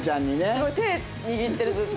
すごい手握ってるずっと。